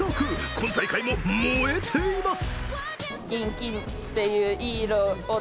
今大会も、燃えています。